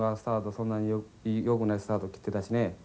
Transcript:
そんなによくないスタート切ってたしね。